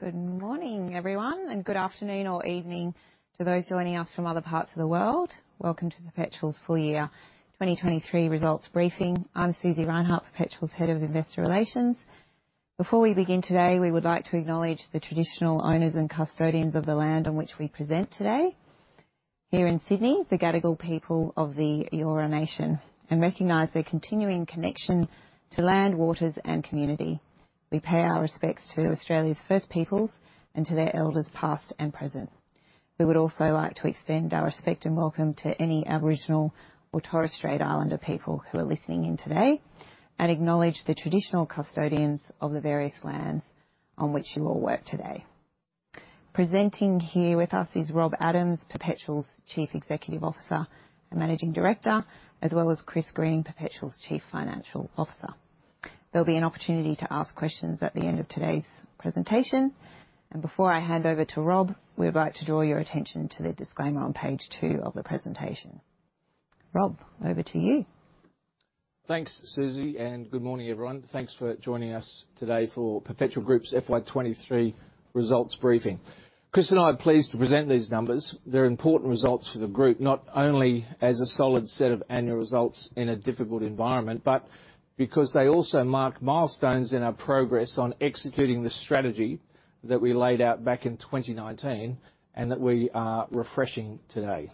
Good morning, everyone, and good afternoon or evening to those joining us from other parts of the world. Welcome to Perpetual's full year 2023 results briefing. I'm Susie Reinhardt, Perpetual's Head of Investor Relations. Before we begin today, we would like to acknowledge the traditional owners and custodians of the land on which we present today. Here in Sydney, the Gadigal people of the Eora Nation, and recognize their continuing connection to land, waters, and community. We pay our respects to Australia's First Peoples and to their elders, past and present. We would also like to extend our respect and welcome to any Aboriginal or Torres Strait Islander people who are listening in today, and acknowledge the traditional custodians of the various lands on which you all work today. Presenting here with us is Rob Adams, Perpetual's Chief Executive Officer and Managing Director, as well as Chris Green, Perpetual's Chief Financial Officer. There'll be an opportunity to ask questions at the end of today's presentation, and before I hand over to Rob, we would like to draw your attention to the disclaimer on page two of the presentation. Rob, over to you. Thanks, Susie, and good morning, everyone. Thanks for joining us today for Perpetual Group's FY 2023 results briefing. Chris and I are pleased to present these numbers. They're important results for the group, not only as a solid set of annual results in a difficult environment, but because they also mark milestones in our progress on executing the strategy that we laid out back in 2019, and that we are refreshing today.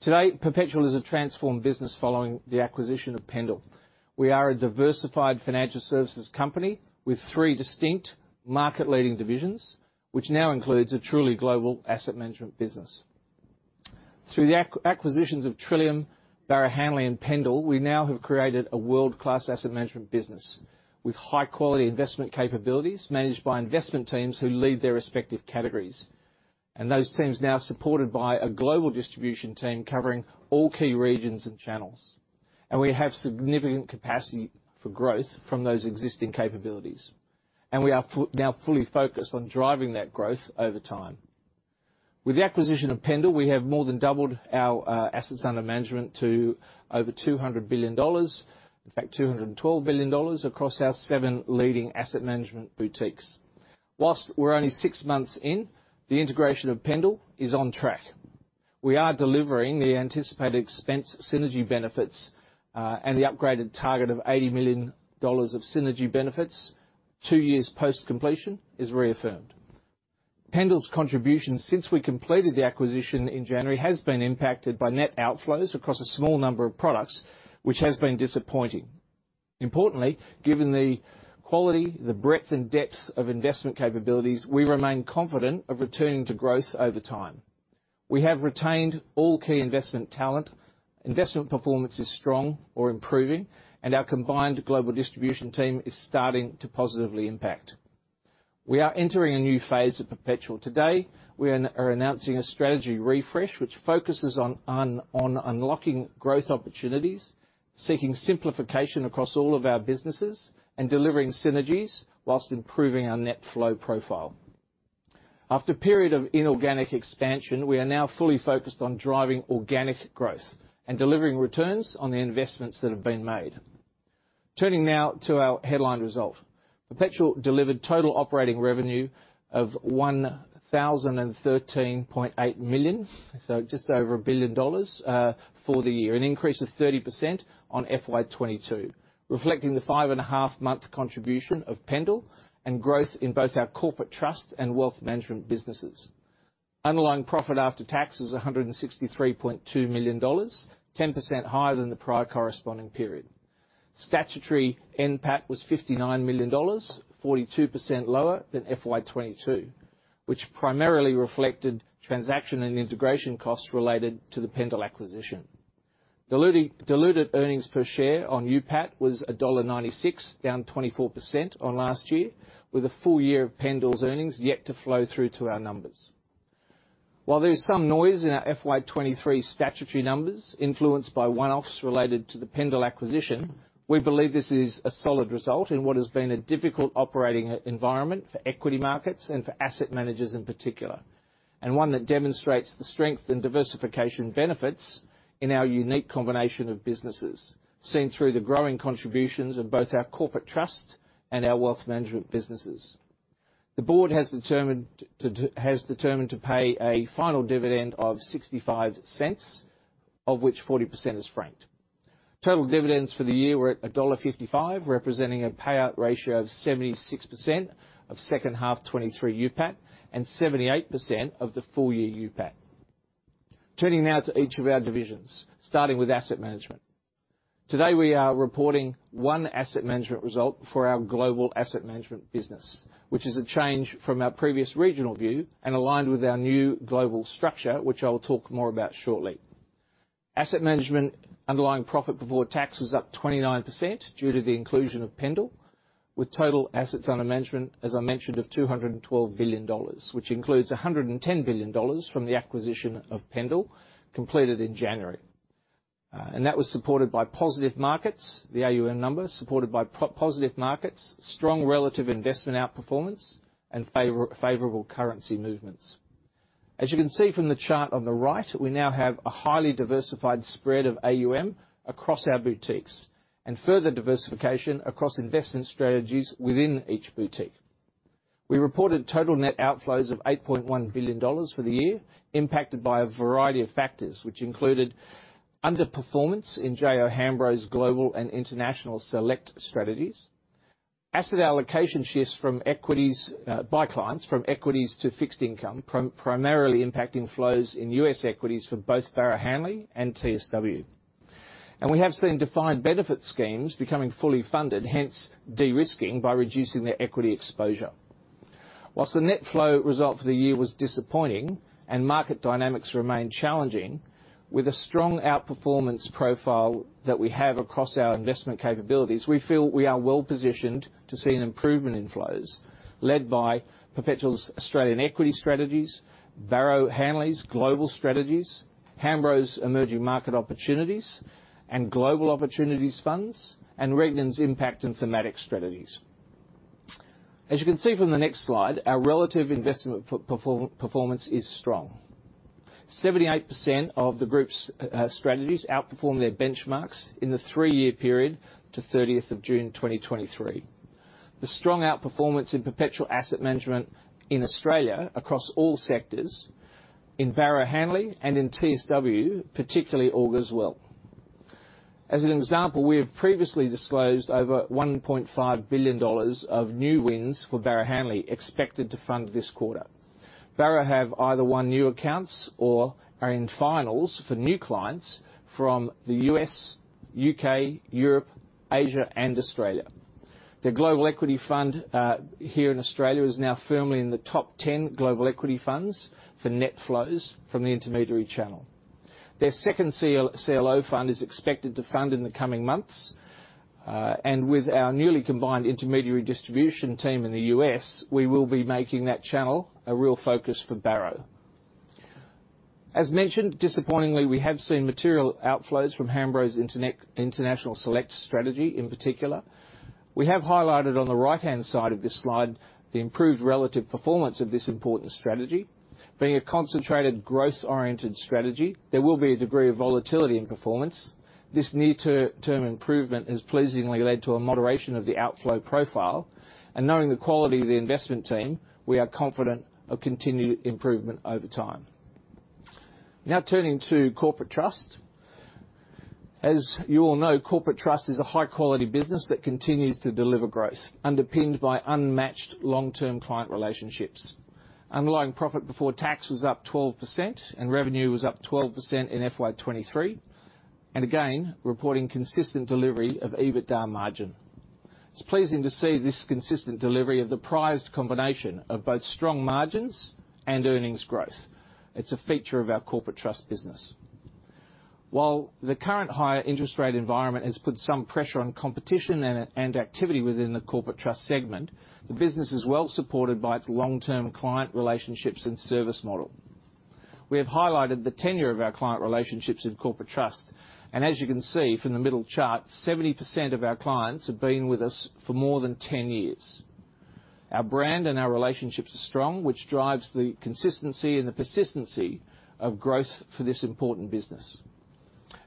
Today, Perpetual is a transformed business following the acquisition of Pendal. We are a diversified financial services company with three distinct market-leading divisions, which now includes a truly global asset management business. Through the acquisitions of Trillium, Barrow Hanley, and Pendal, we now have created a world-class asset management business with high-quality investment capabilities, managed by investment teams who lead their respective categories. Those teams now supported by a global distribution team covering all key regions and channels. We have significant capacity for growth from those existing capabilities, and we are now fully focused on driving that growth over time. With the acquisition of Pendal, we have more than doubled our assets under management to over 200 billion dollars. In fact, 212 billion dollars across our 7 leading asset management boutiques. While we're only 6 months in, the integration of Pendal is on track. We are delivering the anticipated expense synergy benefits, and the upgraded target of 80 million dollars of synergy benefits 2 years post-completion is reaffirmed. Pendal's contribution since we completed the acquisition in January has been impacted by net outflows across a small number of products, which has been disappointing. Importantly, given the quality, the breadth and depths of investment capabilities, we remain confident of returning to growth over time. We have retained all key investment talent. Investment performance is strong or improving, and our combined global distribution team is starting to positively impact. We are entering a new phase of Perpetual. Today, we are announcing a strategy refresh, which focuses on unlocking growth opportunities, seeking simplification across all of our businesses, and delivering synergies whilst improving our net flow profile. After a period of inorganic expansion, we are now fully focused on driving organic growth and delivering returns on the investments that have been made. Turning now to our headline result. Perpetual delivered total operating revenue of 1,013.8 million, so just over 1 billion dollars, for the year, an increase of 30% on FY 2022, reflecting the 5.5 months contribution of Pendal and growth in both our corporate trust and wealth management businesses. Underlying profit after tax was 163.2 million dollars, 10% higher than the prior corresponding period. Statutory NPAT was AUD 59 million, 42% lower than FY 2022, which primarily reflected transaction and integration costs related to the Pendal acquisition. Diluted earnings per share on UPAT was dollar 1.96, down 24% on last year, with a full year of Pendal's earnings yet to flow through to our numbers. While there is some noise in our FY 2023 statutory numbers, influenced by one-offs related to the Pendal acquisition, we believe this is a solid result in what has been a difficult operating environment for equity markets and for asset managers in particular. And one that demonstrates the strength and diversification benefits in our unique combination of businesses, seen through the growing contributions of both our corporate trust and our wealth management businesses. The board has determined to pay a final dividend of 0.65, of which 40% is franked. Total dividends for the year were dollar 1.55, representing a payout ratio of 76% of second half 2023 UPAT, and 78% of the full year UPAT. Turning now to each of our divisions, starting with asset management. Today, we are reporting one asset management result for our global asset management business, which is a change from our previous regional view and aligned with our new global structure, which I'll talk more about shortly. Asset management underlying profit before tax was up 29% due to the inclusion of Pendal, with total assets under management, as I mentioned, of 212 billion dollars, which includes 110 billion dollars from the acquisition of Pendal, completed in January. And that was supported by positive markets, the AUM number supported by positive markets, strong relative investment outperformance, and favorable currency movements. As you can see from the chart on the right, we now have a highly diversified spread of AUM across our boutiques, and further diversification across investment strategies within each boutique. We reported total net outflows of 8.1 billion dollars for the year, impacted by a variety of factors, which included underperformance in J.O. Hambro's Global and International Select strategies, asset allocation shifts from equities by clients from equities to fixed income, primarily impacting flows in U.S. equities for both Barrow Hanley and TSW. We have seen defined benefit schemes becoming fully funded, hence, de-risking by reducing their equity exposure. Whilst the net flow result for the year was disappointing and market dynamics remain challenging, with a strong outperformance profile that we have across our investment capabilities, we feel we are well positioned to see an improvement in flows, led by Perpetual's Australian equity strategies, Barrow Hanley's global strategies, Hambro's emerging market opportunities, and global opportunities funds, and Regnan's impact and thematic strategies. As you can see from the next slide, our relative investment performance is strong. 78% of the group's strategies outperformed their benchmarks in the three-year period to 30th of June 2023. The strong outperformance in Perpetual Asset Management in Australia across all sectors, in Barrow Hanley and in TSW, particularly augurs well. As an example, we have previously disclosed over $1.5 billion of new wins for Barrow Hanley, expected to fund this quarter. Barrow have either won new accounts or are in finals for new clients from the U.S., U.K., Europe, Asia, and Australia. Their global equity fund here in Australia is now firmly in the top 10 global equity funds for net flows from the intermediary channel. Their second CLO fund is expected to fund in the coming months. And with our newly combined intermediary distribution team in the U.S., we will be making that channel a real focus for Barrow. As mentioned, disappointingly, we have seen material outflows from Hambro's International Select strategy, in particular. We have highlighted on the right-hand side of this slide, the improved relative performance of this important strategy. Being a concentrated, growth-oriented strategy, there will be a degree of volatility in performance. This near-term improvement has pleasingly led to a moderation of the outflow profile, and knowing the quality of the investment team, we are confident of continued improvement over time. Now turning to Corporate Trust. As you all know, Corporate Trust is a high-quality business that continues to deliver growth, underpinned by unmatched long-term client relationships. Underlying profit before tax was up 12%, and revenue was up 12% in FY 2023, and again, reporting consistent delivery of EBITDA margin. It's pleasing to see this consistent delivery of the prized combination of both strong margins and earnings growth. It's a feature of our Corporate Trust business. While the current higher interest rate environment has put some pressure on competition and activity within the Corporate Trust segment, the business is well supported by its long-term client relationships and service model. We have highlighted the tenure of our client relationships in Corporate Trust, and as you can see from the middle chart, 70% of our clients have been with us for more than 10 years. Our brand and our relationships are strong, which drives the consistency and the persistency of growth for this important business.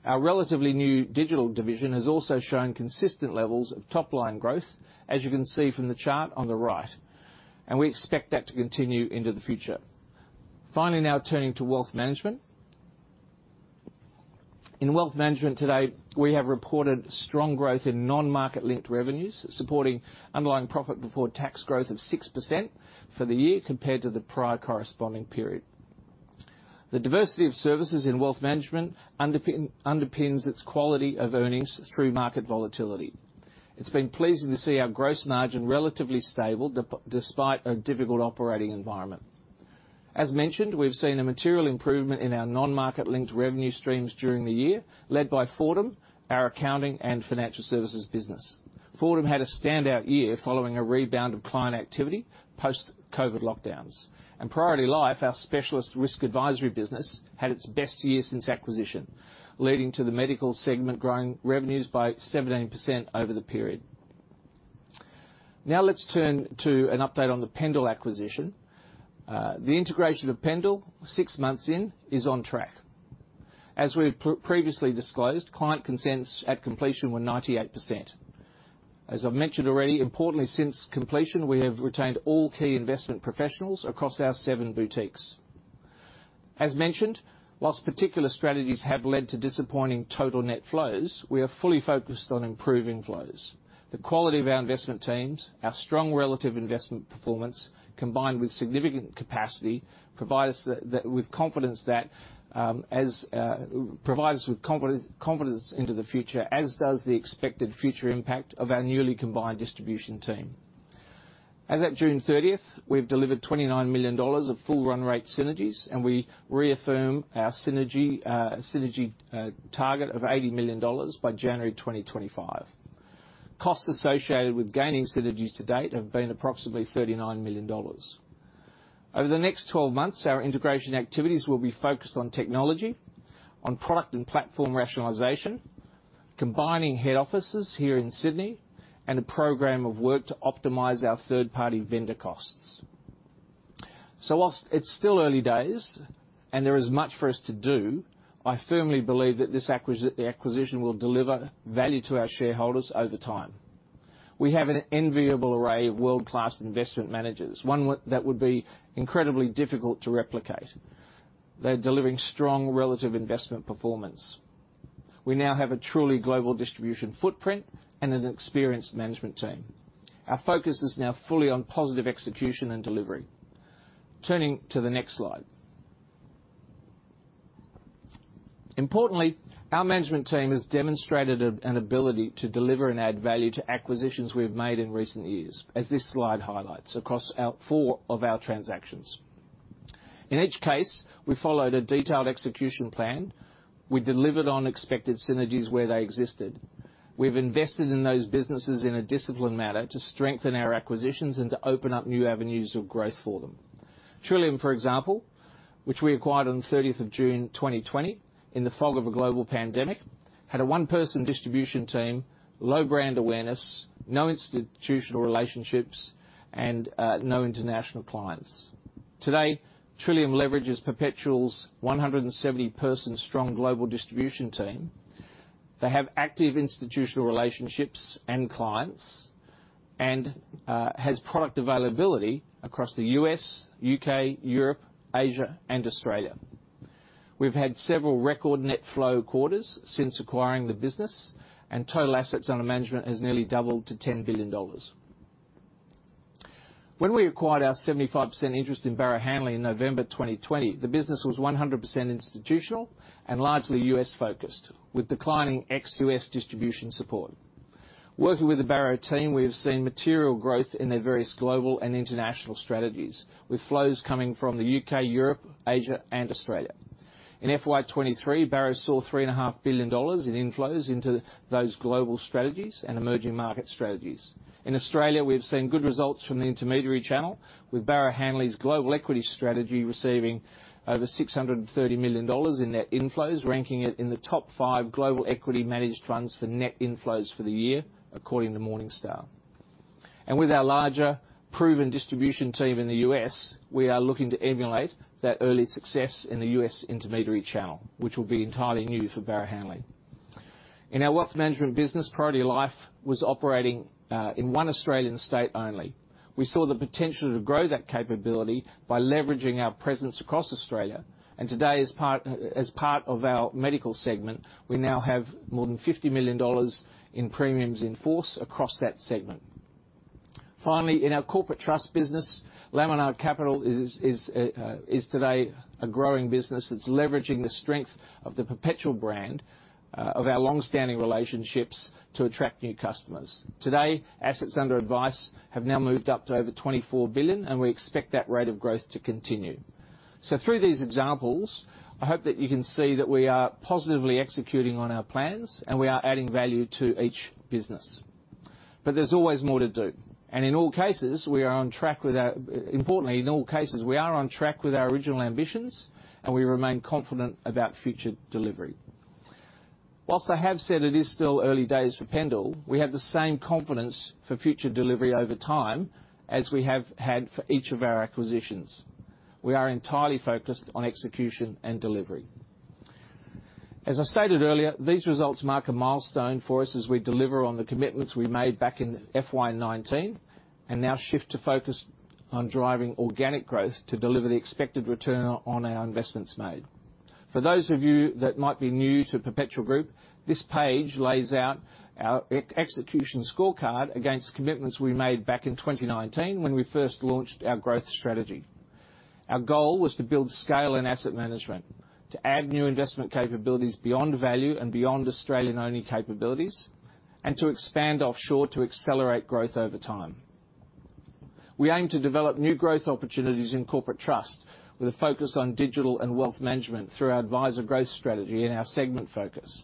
Our relatively new digital division has also shown consistent levels of top-line growth, as you can see from the chart on the right, and we expect that to continue into the future. Finally, now turning to Wealth Management. In Wealth Management today, we have reported strong growth in non-market linked revenues, supporting underlying profit before tax growth of 6% for the year, compared to the prior corresponding period. The diversity of services in Wealth Management underpins its quality of earnings through market volatility. It's been pleasing to see our gross margin relatively stable, despite a difficult operating environment. As mentioned, we've seen a material improvement in our non-market linked revenue streams during the year, led by Fordham, our accounting and financial services business. Fordham had a standout year following a rebound of client activity post-COVID lockdowns. Priority Life, our specialist risk advisory business, had its best year since acquisition, leading to the medical segment growing revenues by 17% over the period. Now, let's turn to an update on the Pendal acquisition. The integration of Pendal, six months in, is on track. As we've previously disclosed, client consents at completion were 98%. As I've mentioned already, importantly, since completion, we have retained all key investment professionals across our seven boutiques. As mentioned, whilst particular strategies have led to disappointing total net flows, we are fully focused on improving flows. The quality of our investment teams, our strong relative investment performance, combined with significant capacity, provide us with confidence into the future, as does the expected future impact of our newly combined distribution team. As at June 30th, we've delivered 29 million dollars of full run rate synergies, and we reaffirm our synergy target of 80 million dollars by January 2025. Costs associated with gaining synergies to date have been approximately 39 million dollars. Over the next 12 months, our integration activities will be focused on technology, on product and platform rationalization, combining head offices here in Sydney and a program of work to optimize our third-party vendor costs. Whilst it's still early days, and there is much for us to do, I firmly believe that this acquisition will deliver value to our shareholders over time. We have an enviable array of world-class investment managers, one that would be incredibly difficult to replicate. They're delivering strong relative investment performance. We now have a truly global distribution footprint and an experienced management team. Our focus is now fully on positive execution and delivery. Turning to the next slide. Importantly, our management team has demonstrated an ability to deliver and add value to acquisitions we've made in recent years, as this slide highlights across our four of our transactions. In each case, we followed a detailed execution plan. We delivered on expected synergies where they existed. We've invested in those businesses in a disciplined manner to strengthen our acquisitions and to open up new avenues of growth for them. Trillium, for example, which we acquired on the thirtieth of June, 2020, in the fog of a global pandemic, had a one-person distribution team, low brand awareness, no institutional relationships, and no international clients. Today, Trillium leverages Perpetual's 170-person-strong global distribution team. They have active institutional relationships and clients, and has product availability across the U.S., U.K., Europe, Asia, and Australia. We've had several record net flow quarters since acquiring the business, and total assets under management has nearly doubled to $10 billion. When we acquired our 75% interest in Barrow Hanley in November 2020, the business was 100% institutional and largely U.S.-focused, with declining ex-U.S. distribution support. Working with the Barrow team, we have seen material growth in their various global and international strategies, with flows coming from the U.K., Europe, Asia, and Australia. In FY 2023, Barrow saw $3.5 billion in inflows into those global strategies and emerging market strategies. In Australia, we've seen good results from the intermediary channel, with Barrow Hanley's global equity strategy receiving over 630 million dollars in net inflows, ranking it in the top five global equity managed funds for net inflows for the year, according to Morningstar. With our larger, proven distribution team in the U.S., we are looking to emulate that early success in the U.S. intermediary channel, which will be entirely new for Barrow Hanley. In our wealth management business, Priority Life was operating in one Australian state only. We saw the potential to grow that capability by leveraging our presence across Australia, and today, as part of our medical segment, we now have more than 50 million dollars in premiums in force across that segment. Finally, in our corporate trust business, Laminar Capital is today a growing business that's leveraging the strength of the Perpetual brand, of our long-standing relationships to attract new customers. Today, assets under advice have now moved up to over 24 billion, and we expect that rate of growth to continue. So through these examples, I hope that you can see that we are positively executing on our plans, and we are adding value to each business. But there's always more to do, and in all cases, we are on track with our original ambitions, and we remain confident about future delivery. Whilst I have said it is still early days for Pendal, we have the same confidence for future delivery over time as we have had for each of our acquisitions. We are entirely focused on execution and delivery. As I stated earlier, these results mark a milestone for us as we deliver on the commitments we made back in FY 2019, and now shift to focus on driving organic growth to deliver the expected return on our investments made. For those of you that might be new to Perpetual Group, this page lays out our execution scorecard against commitments we made back in 2019 when we first launched our growth strategy. Our goal was to build scale and asset management, to add new investment capabilities beyond value and beyond Australian-only capabilities, and to expand offshore to accelerate growth over time. We aim to develop new growth opportunities in corporate trust, with a focus on digital and wealth management through our advisor growth strategy and our segment focus.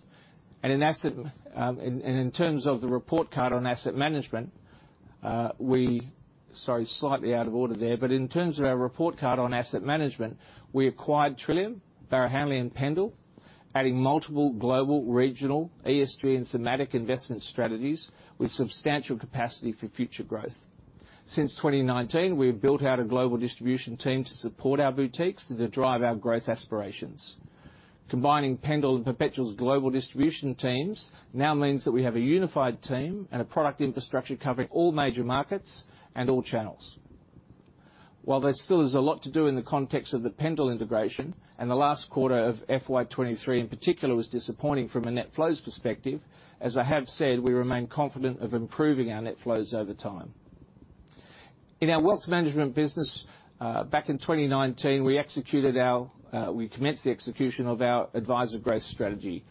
Sorry, slightly out of order there. But in terms of our report card on asset management, we acquired Trillium, Barrow Hanley, and Pendal, adding multiple global, regional, ESG, and thematic investment strategies with substantial capacity for future growth. Since 2019, we have built out a global distribution team to support our boutiques and to drive our growth aspirations. Combining Pendal and Perpetual's global distribution teams now means that we have a unified team and a product infrastructure covering all major markets and all channels. While there still is a lot to do in the context of the Pendal integration, and the last quarter of FY 2023, in particular, was disappointing from a Net Flows perspective, as I have said, we remain confident of improving our Net Flows over time. In our wealth management business, back in 2019, we executed our, we commenced the execution of our advisor growth strategy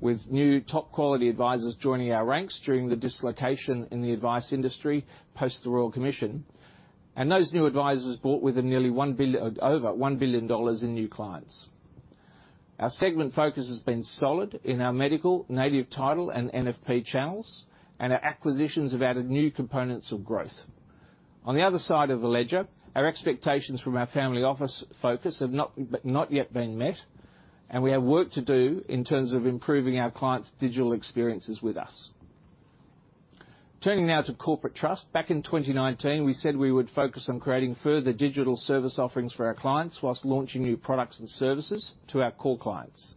with new top-quality advisors joining our ranks during the dislocation in the advice industry post the Royal Commission. Those new advisors brought with them nearly one bill-, over 1 billion dollars in new clients. Our segment focus has been solid in our medical, Native Title, and NFP channels, and our acquisitions have added new components of growth. On the other side of the ledger, our expectations from our family office focus have not, not yet been met, and we have work to do in terms of improving our clients' digital experiences with us. Turning now to corporate trust, back in 2019, we said we would focus on creating further digital service offerings for our clients, while launching new products and services to our core clients.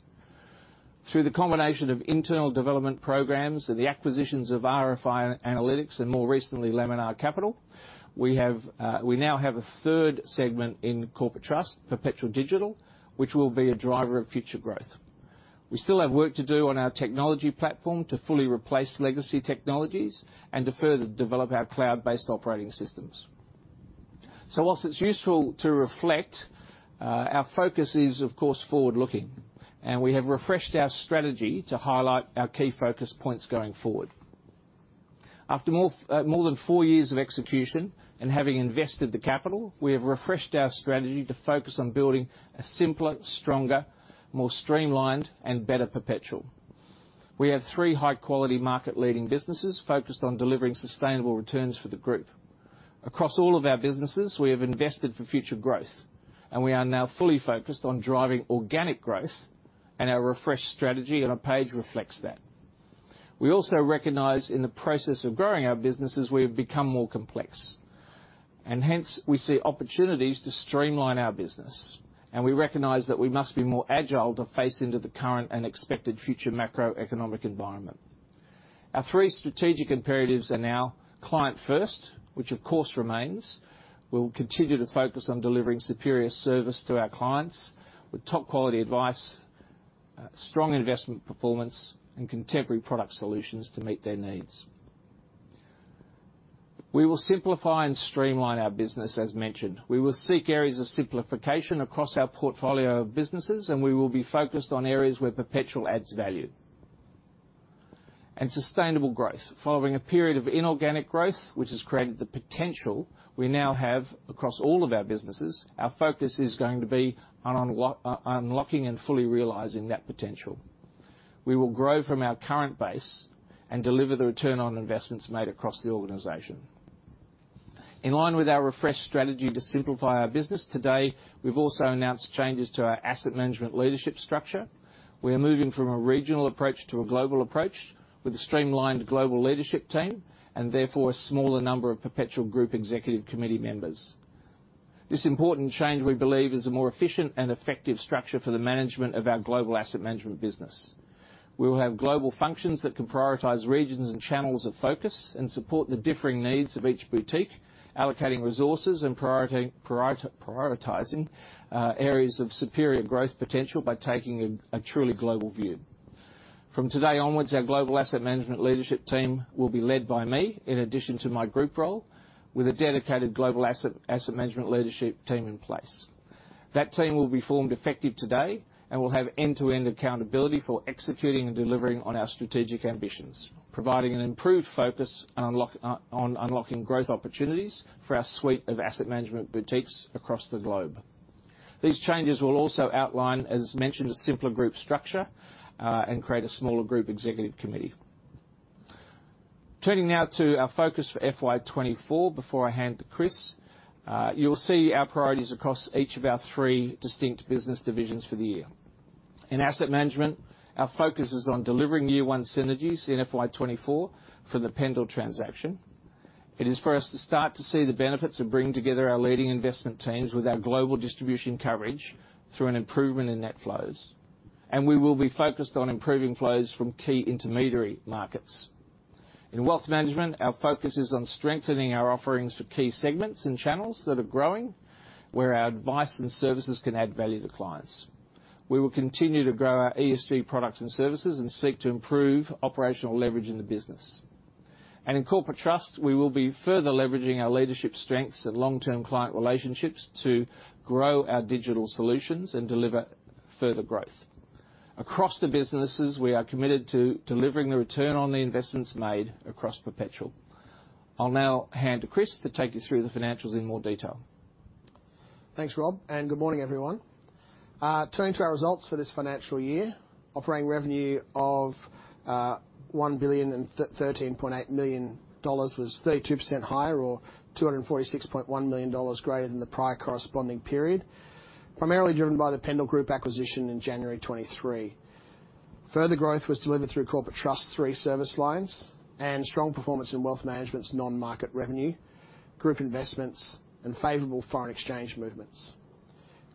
Through the combination of internal development programs and the acquisitions of RFI Analytics and more recently, Laminar Capital, we have, we now have a third segment in corporate trust, Perpetual Digital, which will be a driver of future growth. We still have work to do on our technology platform to fully replace legacy technologies and to further develop our cloud-based operating systems. So whilst it's useful to reflect, our focus is, of course, forward-looking, and we have refreshed our strategy to highlight our key focus points going forward. After more than four years of execution and having invested the capital, we have refreshed our strategy to focus on building a simpler, stronger, more streamlined, and better Perpetual. We have three high-quality, market-leading businesses focused on delivering sustainable returns for the group. Across all of our businesses, we have invested for future growth, and we are now fully focused on driving organic growth, and our refreshed strategy on our page reflects that. We also recognize in the process of growing our businesses, we have become more complex. Hence, we see opportunities to streamline our business, and we recognize that we must be more agile to face into the current and expected future macroeconomic environment. Our three strategic imperatives are now client first, which of course remains. We'll continue to focus on delivering superior service to our clients with top-quality advice, strong investment performance, and contemporary product solutions to meet their needs. We will simplify and streamline our business as mentioned. We will seek areas of simplification across our portfolio of businesses, and we will be focused on areas where Perpetual adds value. Sustainable growth. Following a period of inorganic growth, which has created the potential we now have across all of our businesses, our focus is going to be on unlocking and fully realizing that potential. We will grow from our current base and deliver the return on investments made across the organization. In line with our refreshed strategy to simplify our business, today, we've also announced changes to our asset management leadership structure. We are moving from a regional approach to a global approach, with a streamlined global leadership team, and therefore, a smaller number of Perpetual Group Executive Committee members. This important change, we believe, is a more efficient and effective structure for the management of our global asset management business. We will have global functions that can prioritize regions and channels of focus and support the differing needs of each boutique, allocating resources and prioritizing areas of superior growth potential by taking a truly global view. From today onwards, our global asset management leadership team will be led by me, in addition to my group role, with a dedicated global asset management leadership team in place. That team will be formed effective today and will have end-to-end accountability for executing and delivering on our strategic ambitions, providing an improved focus on unlocking growth opportunities for our suite of asset management boutiques across the globe. These changes will also outline, as mentioned, a simpler group structure and create a smaller group executive committee. Turning now to our focus for FY 2024, before I hand to Chris, you'll see our priorities across each of our three distinct business divisions for the year. In asset management, our focus is on delivering year one synergies in FY 2024 for the Pendal transaction. It is for us to start to see the benefits of bringing together our leading investment teams with our global distribution coverage through an improvement in net flows. We will be focused on improving flows from key intermediary markets. In wealth management, our focus is on strengthening our offerings for key segments and channels that are growing, where our advice and services can add value to clients. We will continue to grow our ESG products and services and seek to improve operational leverage in the business. In corporate trust, we will be further leveraging our leadership strengths and long-term client relationships to grow our digital solutions and deliver further growth. Across the businesses, we are committed to delivering the return on the investments made across Perpetual. I'll now hand to Chris to take you through the financials in more detail. Thanks, Rob, and good morning, everyone. Turning to our results for this financial year, operating revenue of 1.0138 billion was 32% higher, or 246.1 million dollars greater than the prior corresponding period, primarily driven by the Pendal Group acquisition in January 2023. Further growth was delivered through Corporate Trust's three service lines, and strong performance in Wealth Management's non-market revenue, group investments, and favorable foreign exchange movements.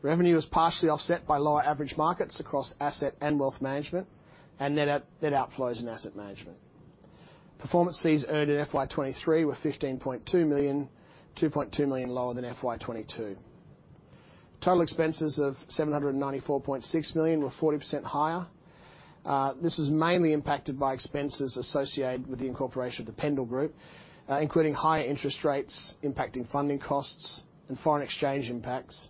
Revenue was partially offset by lower average markets across asset and wealth management, and net outflows in asset management. Performance fees earned in FY 2023 were 15.2 million, 2.2 million lower than FY 2022. Total expenses of 794.6 million were 40% higher. This was mainly impacted by expenses associated with the incorporation of the Pendal Group, including higher interest rates impacting funding costs and foreign exchange impacts,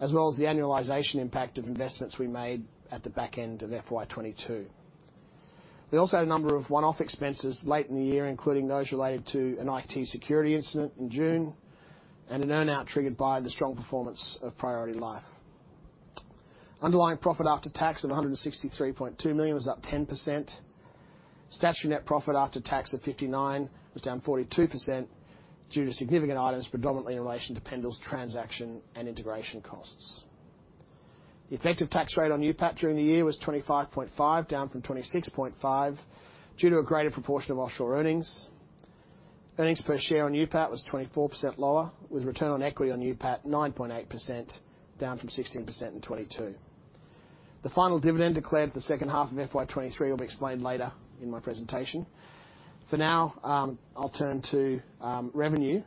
as well as the annualization impact of investments we made at the back end of FY 2022. We also had a number of one-off expenses late in the year, including those related to an IT security incident in June and an earn-out triggered by the strong performance of Priority Life. Underlying profit after tax of 163.2 million was up 10%. Statutory net profit after tax of 59 million was down 42%, due to significant items, predominantly in relation to Pendal's transaction and integration costs. The effective tax rate on UPAT during the year was 25.5%, down from 26.5%, due to a greater proportion of offshore earnings. Earnings per share on UPAT was 24% lower, with return on equity on UPAT 9.8%, down from 16% in 2022. The final dividend declared for the second half of FY 2023 will be explained later in my presentation. For now, I'll turn to revenue.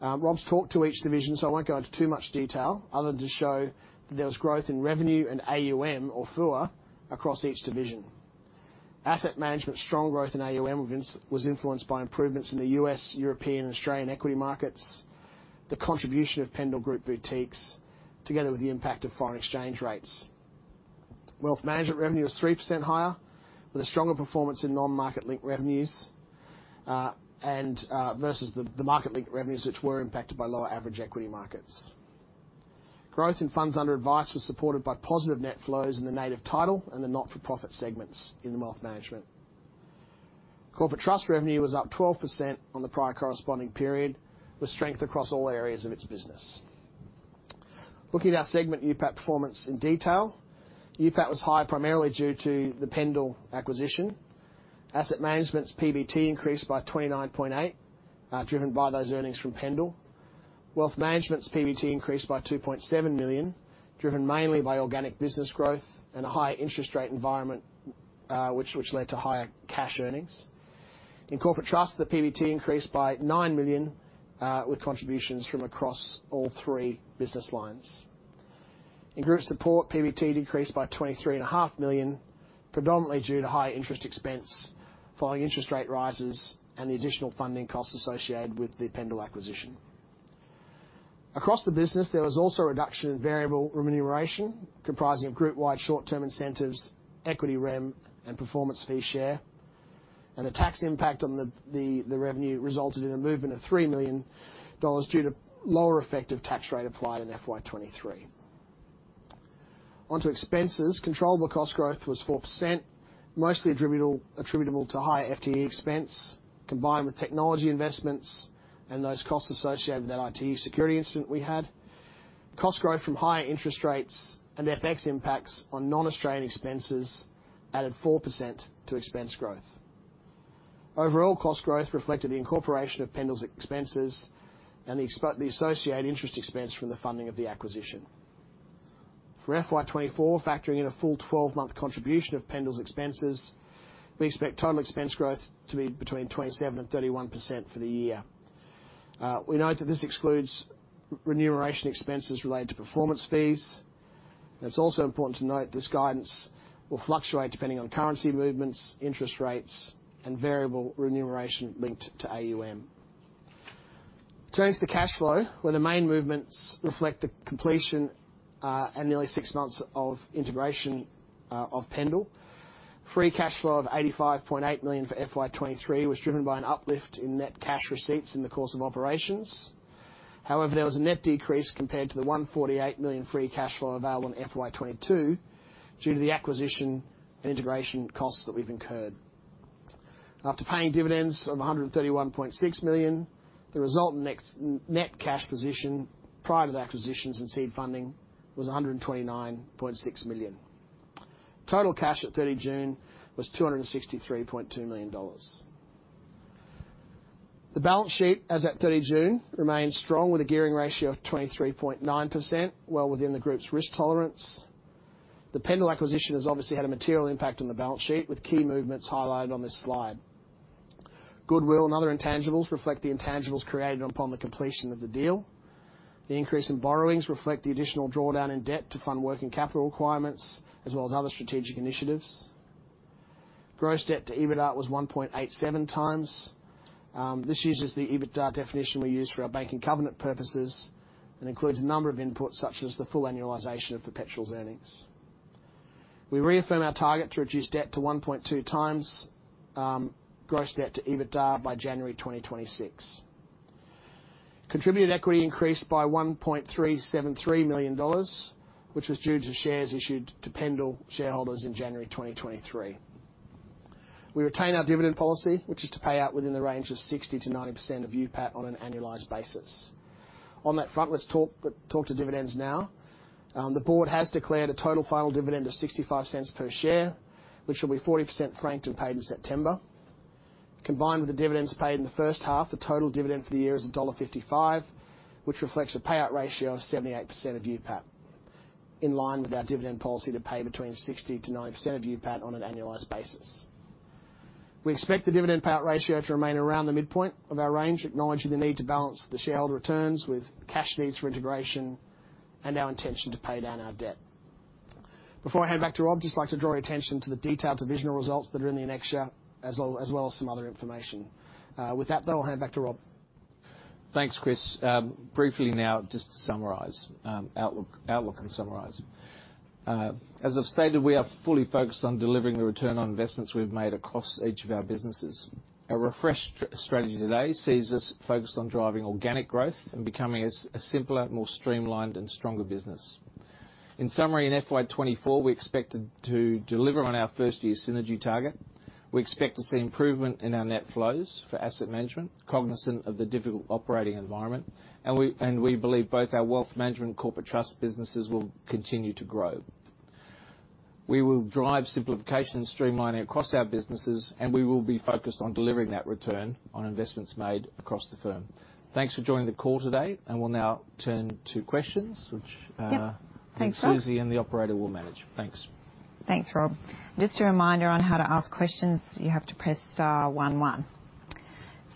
Rob's talked to each division, so I won't go into too much detail, other than to show that there was growth in revenue and AUM or FUA across each division. Asset Management's strong growth in AUM was influenced by improvements in the U.S., European, and Australian equity markets, the contribution of Pendal Group boutiques, together with the impact of foreign exchange rates. Wealth Management revenue was 3% higher, with a stronger performance in non-market-linked revenues and versus the market-linked revenues, which were impacted by lower average equity markets. Growth in funds under advice was supported by positive net flows in the Native Title and the not-for-profit segments in the Wealth Management. Corporate Trust revenue was up 12% on the prior corresponding period, with strength across all areas of its business. Looking at our segment UPAT performance in detail, UPAT was high primarily due to the Pendal acquisition. Asset Management's PBT increased by 29.8 million, driven by those earnings from Pendal. Wealth Management's PBT increased by 2.7 million, driven mainly by organic business growth and a higher interest rate environment, which led to higher cash earnings. In Corporate Trust, the PBT increased by 9 million, with contributions from across all three business lines. In Group Support, PBT decreased by 23.5 million, predominantly due to higher interest expense following interest rate rises and the additional funding costs associated with the Pendal acquisition. Across the business, there was also a reduction in variable remuneration, comprising of group-wide short-term incentives, equity rem, and performance fee share. The tax impact on the revenue resulted in a movement of 3 million dollars due to lower effective tax rate applied in FY 2023. Onto expenses. Controllable cost growth was 4%, mostly attributable to higher FTE expense, combined with technology investments and those costs associated with that IT security incident we had. Cost growth from higher interest rates and FX impacts on non-Australian expenses added 4% to expense growth. Overall, cost growth reflected the incorporation of Pendal's expenses and the associated interest expense from the funding of the acquisition. For FY 2024, factoring in a full 12-month contribution of Pendal's expenses, we expect total expense growth to be between 27% and 31% for the year. We note that this excludes remuneration expenses related to performance fees, and it's also important to note this guidance will fluctuate depending on currency movements, interest rates, and variable remuneration linked to AUM. Turning to the cash flow, where the main movements reflect the completion and nearly 6 months of integration of Pendal. Free cash flow of 85.8 million for FY 2023 was driven by an uplift in net cash receipts in the course of operations. However, there was a net decrease compared to the 148 million free cash flow available in FY 2022, due to the acquisition and integration costs that we've incurred. After paying dividends of 131.6 million, the resultant net cash position prior to the acquisitions and seed funding was 129.6 million. Total cash at 30 June was 263.2 million dollars. The balance sheet as at 30 June remains strong, with a gearing ratio of 23.9%, well within the group's risk tolerance. The Pendal acquisition has obviously had a material impact on the balance sheet, with key movements highlighted on this slide. Goodwill and other intangibles reflect the intangibles created upon the completion of the deal. The increase in borrowings reflect the additional drawdown in debt to fund working capital requirements, as well as other strategic initiatives. Gross debt to EBITDA was 1.87 times. This uses the EBITDA definition we use for our banking covenant purposes and includes a number of inputs, such as the full annualization of Perpetual's earnings. We reaffirm our target to reduce debt to 1.2 times gross debt to EBITDA by January 2026. Contributed equity increased by 1.373 million dollars, which was due to shares issued to Pendal shareholders in January 2023. We retain our dividend policy, which is to pay out within the range of 60%-90% of UPAT on an annualized basis. On that front, let's talk to dividends now. The board has declared a total final dividend of 0.65 per share, which will be 40% franked and paid in September. Combined with the dividends paid in the first half, the total dividend for the year is dollar 1.55, which reflects a payout ratio of 78% of UPAT, in line with our dividend policy to pay between 60%-90% of UPAT on an annualized basis. We expect the dividend payout ratio to remain around the midpoint of our range, acknowledging the need to balance the shareholder returns with cash needs for integration and our intention to pay down our debt. Before I hand back to Rob, just like to draw your attention to the detailed divisional results that are in the annexure, as well, as well as some other information. With that, though, I'll hand back to Rob. Thanks, Chris. Briefly now, just to summarize outlook and summarize. As I've stated, we are fully focused on delivering the return on investments we've made across each of our businesses. ...Our refreshed strategy today sees us focused on driving organic growth and becoming a simpler, more streamlined, and stronger business. In summary, in FY 2024, we expected to deliver on our first-year synergy target. We expect to see improvement in our net flows for asset management, cognizant of the difficult operating environment, and we, and we believe both our wealth management and corporate trust businesses will continue to grow. We will drive simplification and streamlining across our businesses, and we will be focused on delivering that return on investments made across the firm. Thanks for joining the call today, and we'll now turn to questions, which, Yep. Thanks, Rob. Susie and the operator will manage. Thanks. Thanks, Rob. Just a reminder on how to ask questions: you have to press star one, one.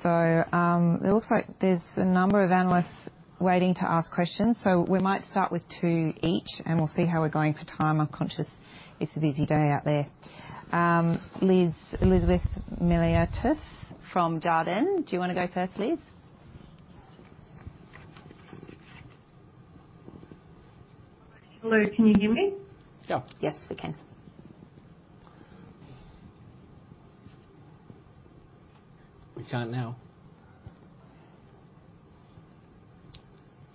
So, it looks like there's a number of analysts waiting to ask questions, so we might start with two each, and we'll see how we're going for time. I'm conscious it's a busy day out there. Liz, Elizabeth Miliatis from Jarden, do you want to go first, Liz? Hello, can you hear me? Sure. Yes, we can. We can't now.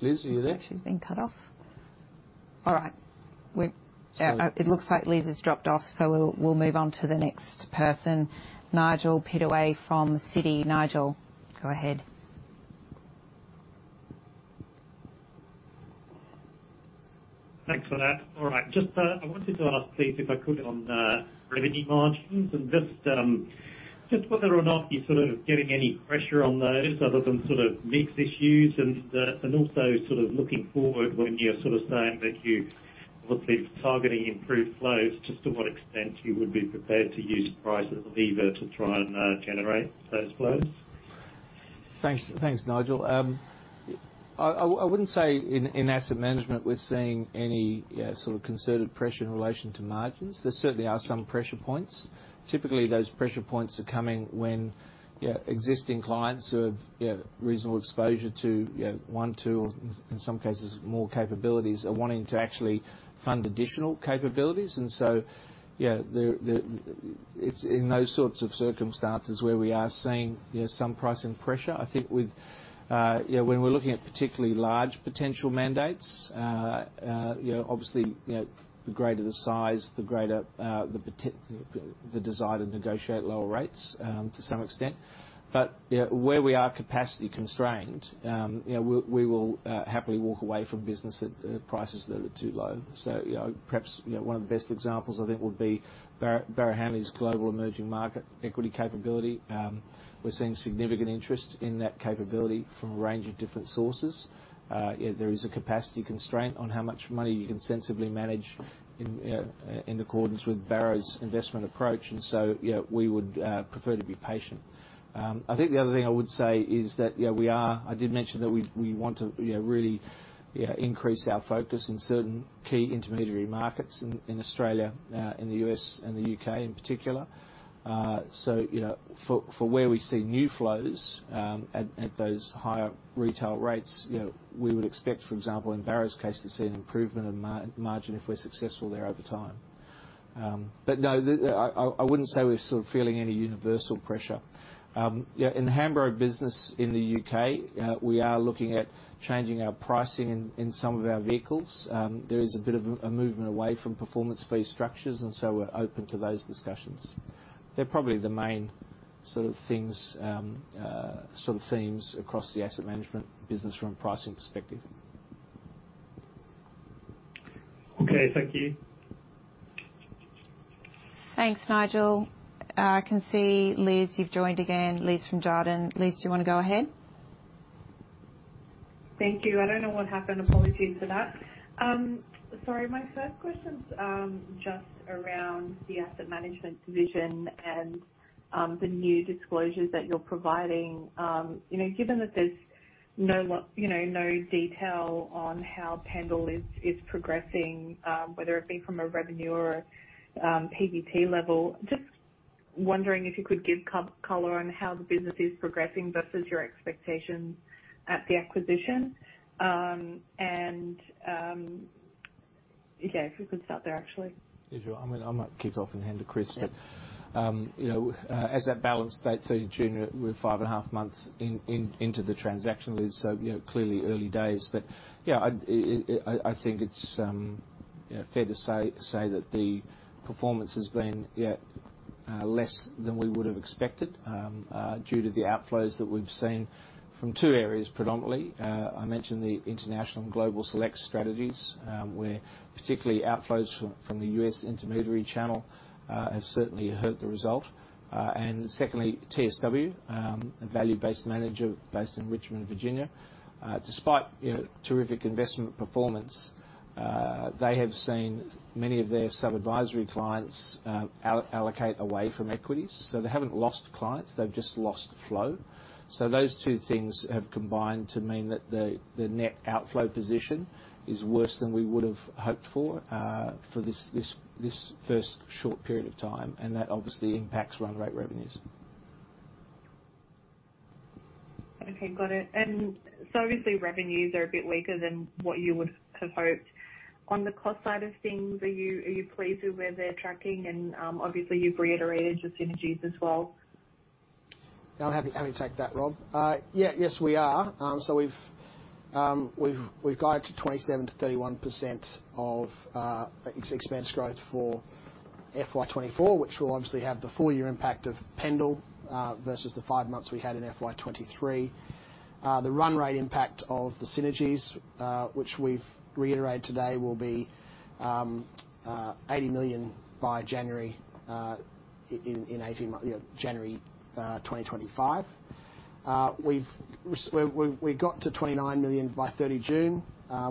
Liz, are you there? Looks like she's been cut off. All right. We- So- It looks like Liz has dropped off, so we'll move on to the next person. Nigel Pittaway from Citi. Nigel, go ahead. Thanks for that. All right, just I wanted to ask, please, if I could on revenue margins and just just whether or not you're sort of getting any pressure on those other than sort of mix issues and and also sort of looking forward when you're sort of saying that you obviously targeting improved flows, just to what extent you would be prepared to use price as a lever to try and generate those flows? Thanks, thanks, Nigel. I wouldn't say in asset management, we're seeing any sort of concerted pressure in relation to margins. There certainly are some pressure points. Typically, those pressure points are coming when existing clients who have reasonable exposure to, you know, one, two, or in some cases, more capabilities, are wanting to actually fund additional capabilities. And so, yeah, it's in those sorts of circumstances where we are seeing, yeah, some pricing pressure. I think when we're looking at particularly large potential mandates, you know, obviously, you know, the greater the size, the greater the desire to negotiate lower rates, to some extent. But, yeah, where we are capacity constrained, yeah, we will happily walk away from business at prices that are too low. So, you know, perhaps, you know, one of the best examples of it would be Barrow, Barrow Hanley's global emerging market equity capability. We're seeing significant interest in that capability from a range of different sources. Yet there is a capacity constraint on how much money you can sensibly manage in, in accordance with Barrow's investment approach, and so, yeah, we would, prefer to be patient. I think the other thing I would say is that, you know, we are. I did mention that we, we want to, you know, really, yeah, increase our focus in certain key intermediary markets in, in Australia, in the U.S., and the U.K. in particular. So, you know, for where we see new flows, at those higher retail rates, you know, we would expect, for example, in Barrow's case, to see an improvement in margin if we're successful there over time. But no, I wouldn't say we're sort of feeling any universal pressure. Yeah, in the Hambro business in the U.K., we are looking at changing our pricing in some of our vehicles. There is a bit of a movement away from performance fee structures, and so we're open to those discussions. They're probably the main sort of things, sort of themes across the asset management business from a pricing perspective. Okay, thank you. Thanks, Nigel. I can see, Liz, you've joined again. Liz from Jarden. Liz, do you want to go ahead? Thank you. I don't know what happened. Apologies for that. Sorry, my first question's just around the asset management division and the new disclosures that you're providing. You know, given that there's no, you know, no detail on how Pendal is progressing, whether it be from a revenue or PBT level, just wondering if you could give color on how the business is progressing versus your expectations at the acquisition. And yeah, if we could start there, actually. Sure. I mean, I might kick off and hand to Chris. Yeah. You know, as that balance date, so June, we're 5.5 months into the transaction, Liz, so, you know, clearly early days. But, yeah, I think it's, you know, fair to say that the performance has been, yeah, less than we would have expected, due to the outflows that we've seen from two areas predominantly. I mentioned the International and Global Select strategies, where particularly outflows from the U.S. intermediary channel have certainly hurt the result. And secondly, TSW, a value-based manager based in Richmond, Virginia. Despite, you know, terrific investment performance, they have seen many of their sub-advisory clients reallocate away from equities. So they haven't lost clients, they've just lost flow. So those two things have combined to mean that the net outflow position is worse than we would have hoped for, for this first short period of time, and that obviously impacts run rate revenues.... Okay, got it. And so obviously, revenues are a bit weaker than what you would have hoped. On the cost side of things, are you, are you pleased with where they're tracking? And, obviously, you've reiterated the synergies as well. I'm happy, happy to take that, Rob. Yeah. Yes, we are. So we've guided to 27%-31% expense growth for FY 2024, which will obviously have the full year impact of Pendal versus the 5 months we had in FY 2023. The run rate impact of the synergies, which we've reiterated today, will be 80 million by January in 18 months, you know, January 2025. We've got to 29 million by 30 June.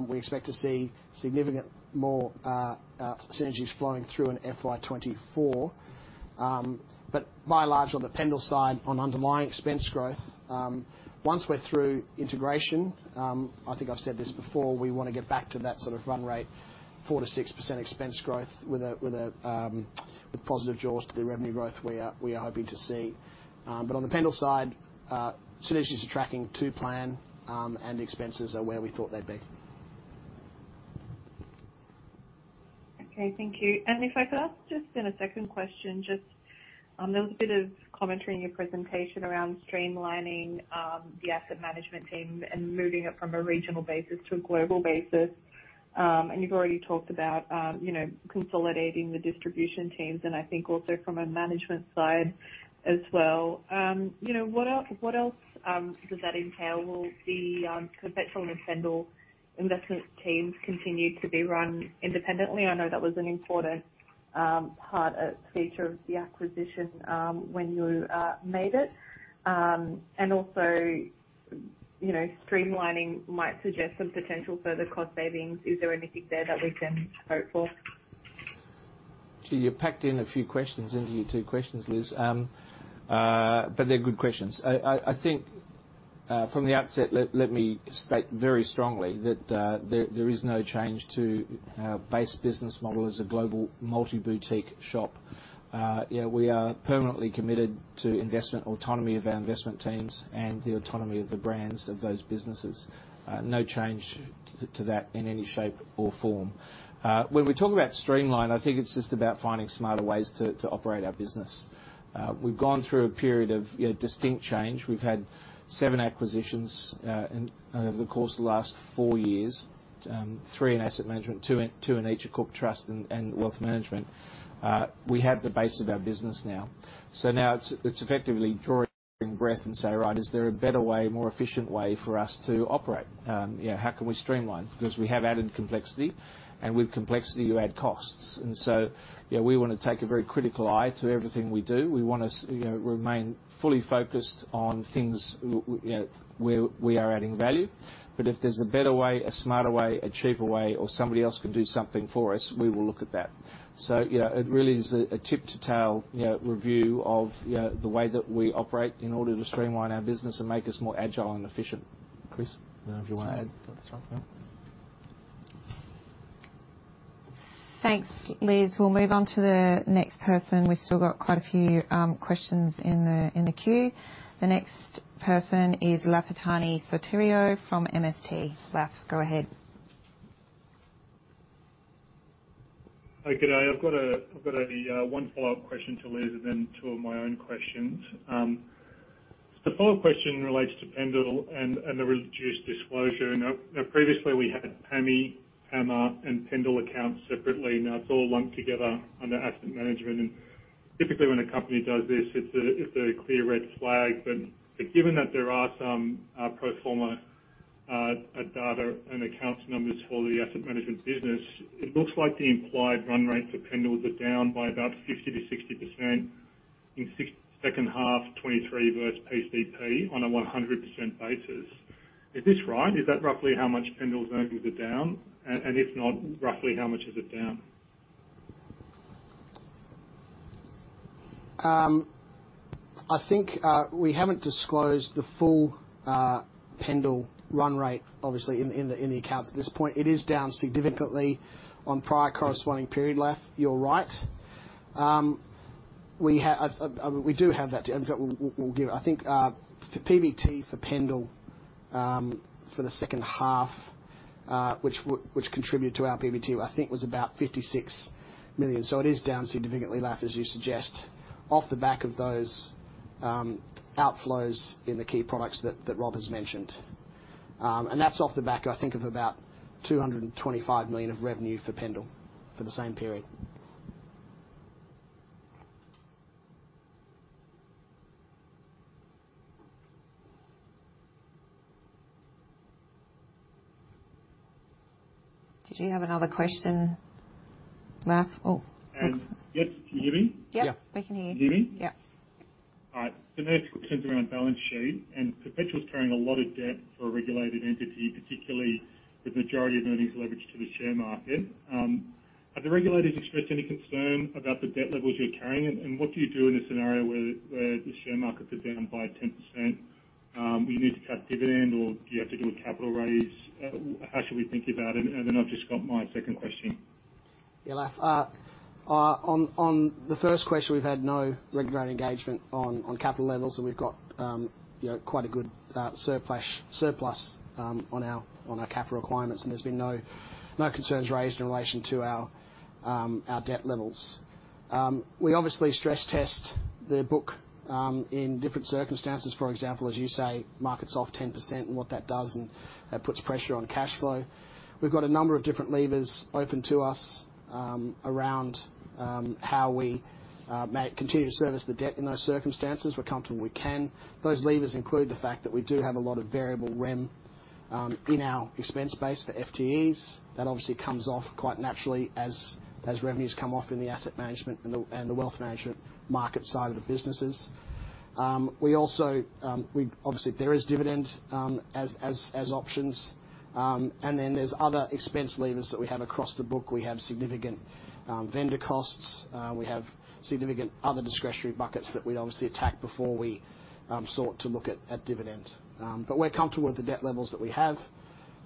We expect to see significant more synergies flowing through in FY 2024. But by and large, on the Pendal side, on underlying expense growth, I think I've said this before, we want to get back to that sort of run rate, 4%-6% expense growth with a positive jaws to the revenue growth we are hoping to see. But on the Pendal side, synergies are tracking to plan, and expenses are where we thought they'd be. Okay, thank you. And if I could ask just then a second question, just, there was a bit of commentary in your presentation around streamlining, the asset management team and moving it from a regional basis to a global basis. And you've already talked about, you know, consolidating the distribution teams, and I think also from a management side as well. You know, what else does that entail? Will the Perpetual and Pendal investment teams continue to be run independently? I know that was an important part, feature of the acquisition, when you made it. And also, you know, streamlining might suggest some potential further cost savings. Is there anything there that we can hope for? So you packed in a few questions into your two questions, Liz. But they're good questions. I think from the outset, let me state very strongly that there is no change to our base business model as a global multi-boutique shop. Yeah, we are permanently committed to investment autonomy of our investment teams and the autonomy of the brands of those businesses. No change to that in any shape or form. When we talk about streamline, I think it's just about finding smarter ways to operate our business. We've gone through a period of, you know, distinct change. We've had 7 acquisitions in over the course of the last 4 years. Three in asset management, 2 in each of Corporate Trust and wealth management. We have the base of our business now. So now it's effectively drawing breath and say: Right, is there a better way, a more efficient way for us to operate? Yeah, how can we streamline? Because we have added complexity, and with complexity, you add costs. And so, yeah, we want to take a very critical eye to everything we do. We want to, you know, remain fully focused on things, you know, where we are adding value. But if there's a better way, a smarter way, a cheaper way, or somebody else can do something for us, we will look at that. So, you know, it really is a tip-to-tail, you know, review of the way that we operate in order to streamline our business and make us more agile and efficient. Chris, I don't know if you want to add to this one? Thanks, Liz. We'll move on to the next person. We've still got quite a few questions in the queue. The next person is Lafitani Sotiriou from MST. Laf, go ahead. Hi, good day. I've got a follow-up question to Liz and then two of my own questions. The follow-up question relates to Pendal and the reduced disclosure. Now, previously, we had PAMI, PAMA, and Pendal accounts separately. Now it's all lumped together under asset management, and typically, when a company does this, it's a clear red flag. But given that there are some pro forma data and accounts numbers for the asset management business, it looks like the implied run rates for Pendal are down by about 50%-60% in second half 2023 versus PCP on a 100% basis. Is this right? Is that roughly how much Pendal's revenues are down? And if not, roughly how much is it down? I think we haven't disclosed the full Pendal run rate, obviously in the accounts at this point. It is down significantly on prior corresponding period, Laf. You're right. We have that. In fact, we'll give it. I think PBT for Pendal for the second half, which contributed to our PBT, I think was about 56 million. So it is down significantly, Laf, as you suggest, off the back of those outflows in the key products that Rob has mentioned. And that's off the back, I think of about 225 million of revenue for Pendal for the same period. Did you have another question, Laf? Oh, oops. Yep. Can you hear me? Yep. Yeah. We can hear you. Can you hear me? Yep. All right. The next concerns around balance sheet and Perpetual's carrying a lot of debt for a regulated entity, particularly with majority of earnings leverage to the share market. Have the regulators expressed any concern about the debt levels you're carrying, and, and what do you do in a scenario where the, where the share markets are down by 10%? You need to cut dividend or do you have to do a capital raise? How should we think about it? And then I've just got my second question.... Yeah, Laf, on the first question, we've had no regulatory engagement on capital levels, and we've got, you know, quite a good surplus on our capital requirements, and there's been no concerns raised in relation to our debt levels. We obviously stress test the book in different circumstances. For example, as you say, market's off 10%, and what that does, and that puts pressure on cash flow. We've got a number of different levers open to us around how we may continue to service the debt in those circumstances. We're comfortable we can. Those levers include the fact that we do have a lot of variable REM in our expense base for FTEs. That obviously comes off quite naturally as revenues come off in the asset management and the wealth management market side of the businesses. We also. Obviously, there is dividend as options. And then there's other expense levers that we have across the book. We have significant vendor costs. We have significant other discretionary buckets that we'd obviously attack before we sought to look at dividend. But we're comfortable with the debt levels that we have.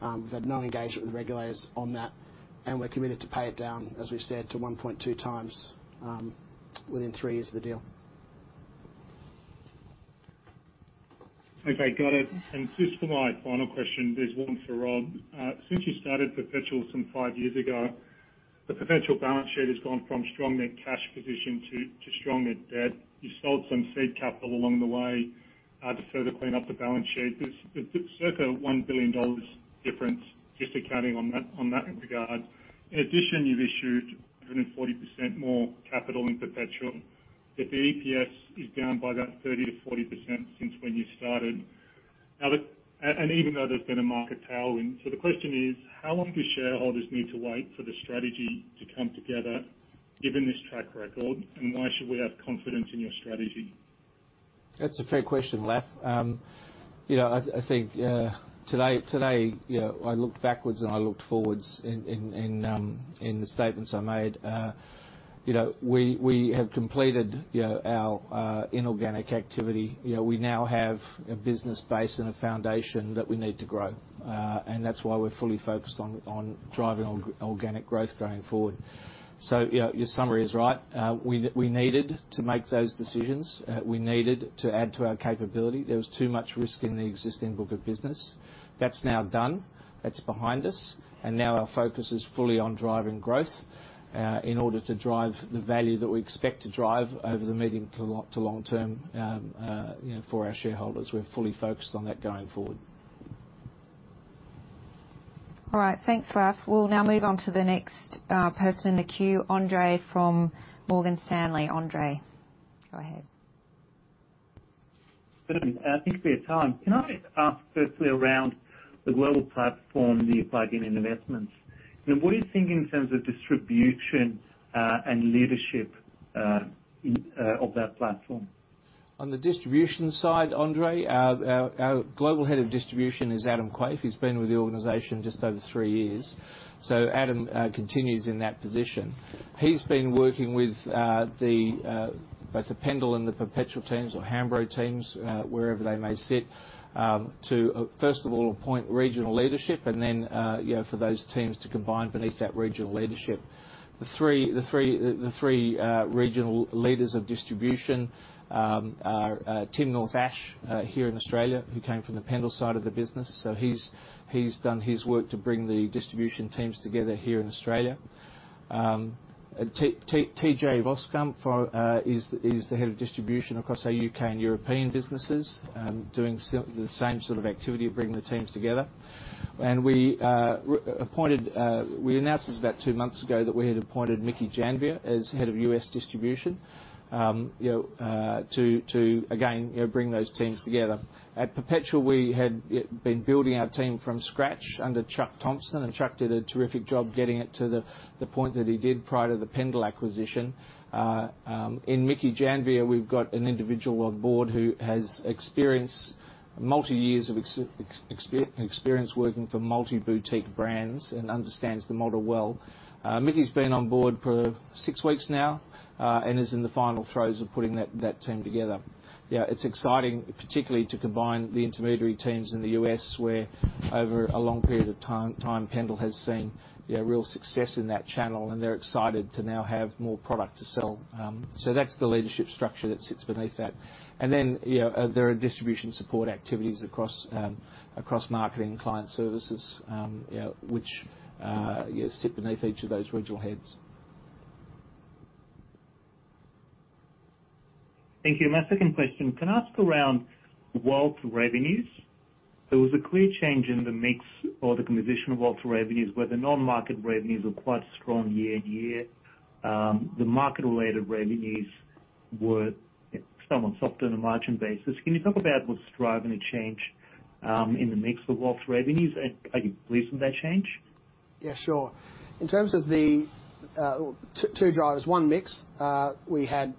We've had no engagement with the regulators on that, and we're committed to pay it down, as we've said, to 1.2 times within three years of the deal. Okay, got it. And just for my final question, there's one for Rob. Since you started Perpetual some 5 years ago, the Perpetual balance sheet has gone from strong net cash position to strong net debt. You sold some seed capital along the way to further clean up the balance sheet. There's circa 1 billion dollars difference just accounting on that regard. In addition, you've issued 140% more capital in Perpetual. Yet the EPS is down by about 30%-40% since when you started. Now, and even though there's been a market tailwind. So the question is: how long do shareholders need to wait for the strategy to come together given this track record? And why should we have confidence in your strategy? That's a fair question, Laf. You know, I think today you know, I looked backwards, and I looked forwards in the statements I made. You know, we have completed you know, our inorganic activity. You know, we now have a business base and a foundation that we need to grow, and that's why we're fully focused on driving organic growth going forward. So, you know, your summary is right. We needed to make those decisions. We needed to add to our capability. There was too much risk in the existing book of business. That's now done. That's behind us. Now our focus is fully on driving growth, in order to drive the value that we expect to drive over the medium to long, to long term, you know, for our shareholders. We're fully focused on that going forward. All right. Thanks, Laf. We'll now move on to the next, person in the queue, Andre from Morgan Stanley. Andre, go ahead. Good evening, and thank you for your time. Can I ask firstly around the global platform, the plug-in investments, you know, what do you think in terms of distribution, and leadership, in, of that platform? On the distribution side, Andre, our global head of distribution is Adam Quaife. He's been with the organization just over three years, so Adam continues in that position. He's been working with both the Pendal and the Perpetual teams or Hambro teams, wherever they may sit, to first of all appoint regional leadership and then, you know, for those teams to combine beneath that regional leadership. The three regional leaders of distribution are Tim North Ashe here in Australia, who came from the Pendal side of the business. So he's done his work to bring the distribution teams together here in Australia. TJ Voskamp is the head of distribution across our U.K. and European businesses, doing the same sort of activity of bringing the teams together. And we appointed. We announced this about two months ago, that we had appointed Mickey Janvia as head of U.S. distribution, you know, to again, you know, bring those teams together. At Perpetual, we had been building our team from scratch under Chuck Thompson, and Chuck did a terrific job getting it to the point that he did prior to the Pendal acquisition. In Mickey Janvia, we've got an individual on board who has experience, multi years of experience working for multi-boutique brands and understands the model well. Mickey's been on board for six weeks now, and is in the final throes of putting that team together. Yeah, it's exciting, particularly to combine the intermediary teams in the U.S., where over a long period of time, Pendal has seen, you know, real success in that channel, and they're excited to now have more product to sell. So that's the leadership structure that sits beneath that. And then, you know, there are distribution support activities across marketing and client services, you know, which sit beneath each of those regional heads. Thank you. My second question, can I ask around wealth revenues? There was a clear change in the mix or the composition of wealth revenues, where the non-market revenues were quite strong year on year. The market-related revenues were somewhat softer than a margin basis. Can you talk about what's driving the change in the mix of wealth revenues? And are you pleased with that change? Yeah, sure. In terms of the two drivers, one, mix. We had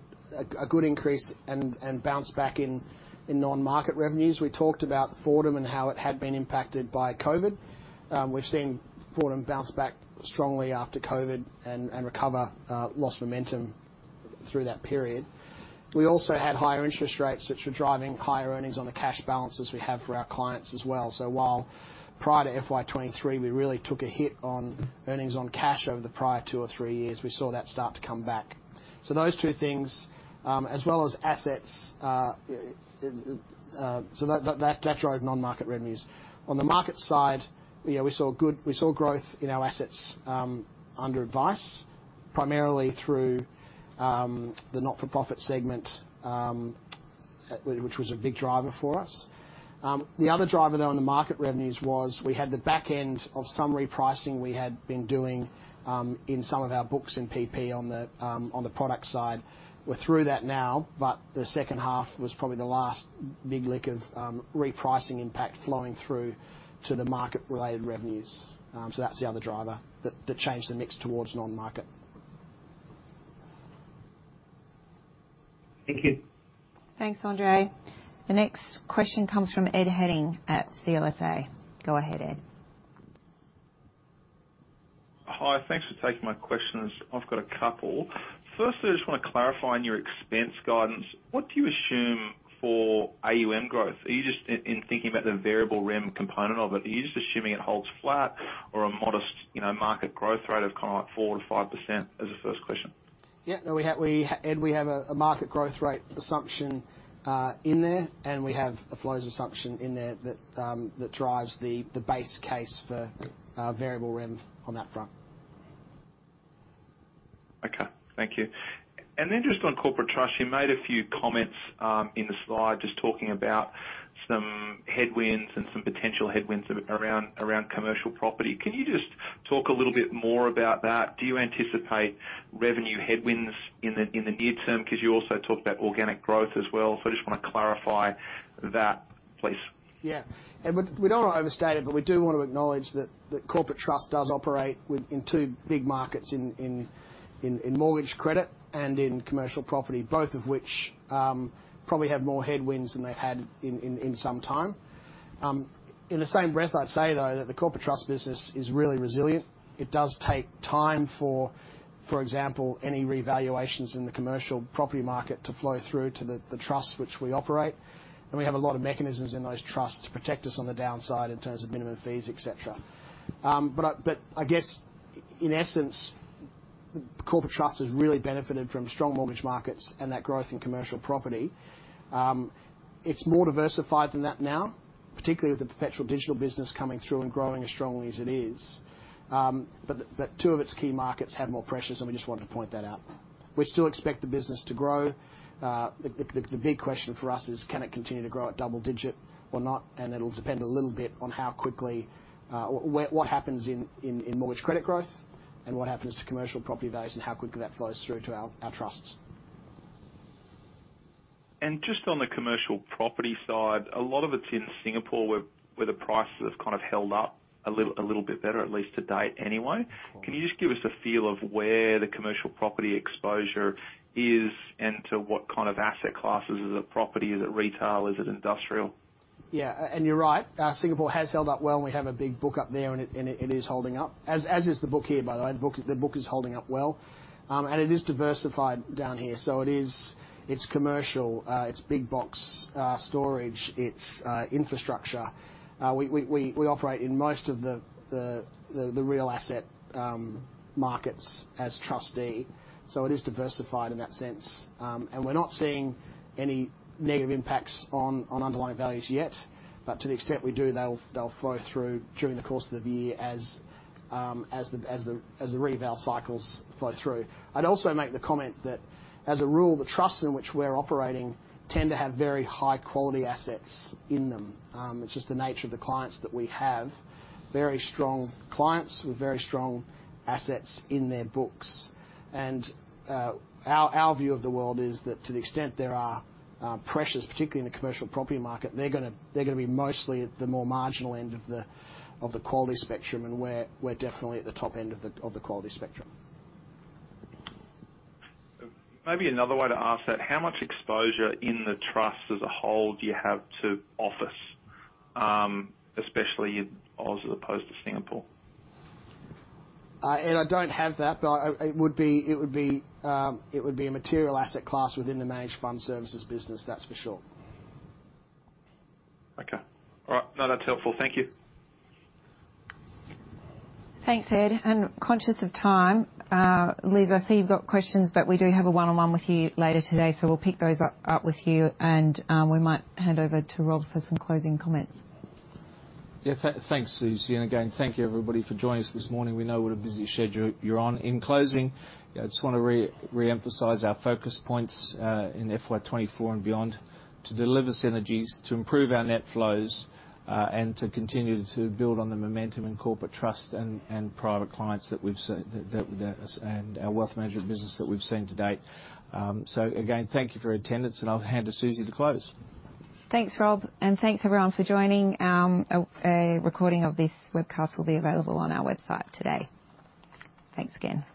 a good increase and bounce back in non-market revenues. We talked about Fordham and how it had been impacted by Covid. We've seen Fordham bounce back strongly after Covid and recover lost momentum through that period. We also had higher interest rates, which were driving higher earnings on the cash balances we have for our clients as well. So while prior to FY 2023, we really took a hit on earnings on cash over the prior two or three years, we saw that start to come back. So those two things, as well as assets, so that drove non-market revenues. On the market side, you know, we saw growth in our assets under advice, primarily through the not-for-profit segment, which was a big driver for us. The other driver, though, on the market revenues was we had the back end of some repricing we had been doing in some of our books in PP on the product side. We're through that now, but the second half was probably the last big lick of repricing impact flowing through to the market-related revenues. So that's the other driver that changed the mix towards non-market. Thank you. Thanks, Andre. The next question comes from Ed Henning at CLSA. Go ahead, Ed. Hi, thanks for taking my questions. I've got a couple. Firstly, I just want to clarify on your expense guidance, what do you assume for AUM growth? Are you just, in thinking about the variable REM component of it, are you just assuming it holds flat or a modest, you know, market growth rate of kind of like 4%-5%? That's the first question. Yeah, no, we, Ed, we have a market growth rate assumption in there, and we have a flows assumption in there that that drives the base case for variable REM on that front. Okay, thank you. And then just on corporate trust, you made a few comments in the slide, just talking about some headwinds and some potential headwinds around commercial property. Can you just talk a little bit more about that? Do you anticipate revenue headwinds in the near term? Because you also talked about organic growth as well, so I just want to clarify that, please. Yeah. And we don't want to overstate it, but we do want to acknowledge that corporate trust does operate in two big markets in mortgage credit and in commercial property, both of which probably have more headwinds than they've had in some time. In the same breath, I'd say, though, that the corporate trust business is really resilient. It does take time for, for example, any revaluations in the commercial property market to flow through to the trusts which we operate, and we have a lot of mechanisms in those trusts to protect us on the downside in terms of minimum fees, et cetera. But I guess in essence, corporate trust has really benefited from strong mortgage markets and that growth in commercial property. It's more diversified than that now, particularly with the Perpetual Digital business coming through and growing as strongly as it is. But two of its key markets have more pressures, and we just wanted to point that out. We still expect the business to grow. The big question for us is: Can it continue to grow at double-digit or not? And it'll depend a little bit on how quickly what happens in mortgage credit growth and what happens to commercial property values and how quickly that flows through to our trusts. Just on the commercial property side, a lot of it's in Singapore, where the price has kind of held up a little, a little bit better, at least to date anyway. Can you just give us a feel of where the commercial property exposure is and to what kind of asset classes? Is it property, is it retail, is it industrial? Yeah, and you're right, Singapore has held up well, and we have a big book up there, and it is holding up. As is the book here, by the way. The book is holding up well, and it is diversified down here, so it is. It's commercial, it's big box, storage, it's infrastructure. We operate in most of the real asset markets as trustee, so it is diversified in that sense. And we're not seeing any negative impacts on underlying values yet, but to the extent we do, they'll flow through during the course of the year as the reval cycles flow through. I'd also make the comment that, as a rule, the trusts in which we're operating tend to have very high-quality assets in them. It's just the nature of the clients that we have. Very strong clients with very strong assets in their books. Our view of the world is that to the extent there are pressures, particularly in the commercial property market, they're gonna be mostly at the more marginal end of the quality spectrum, and we're definitely at the top end of the quality spectrum. Maybe another way to ask that: How much exposure in the trust as a whole do you have to office, especially in Aus, as opposed to Singapore? Ed, I don't have that, but it would be a material asset class within the managed fund services business, that's for sure. Okay. All right. No, that's helpful. Thank you. Thanks, Ed, and conscious of time, Liz, I see you've got questions, but we do have a one-on-one with you later today, so we'll pick those up with you, and we might hand over to Rob for some closing comments. Yeah, thanks, Susie, and again, thank you everybody for joining us this morning. We know what a busy schedule you're on. In closing, I just want to re-emphasize our focus points in FY 2024 and beyond, to deliver synergies, to improve our net flows, and to continue to build on the momentum in corporate trust and private clients and our wealth management business that we've seen to date. So again, thank you for your attendance, and I'll hand to Susie to close. Thanks, Rob, and thanks everyone for joining. A recording of this webcast will be available on our website today. Thanks again.